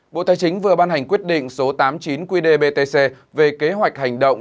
bộ tài chính vừa ban hành quyết định số tám mươi chín qdbtc về kế hoạch hành động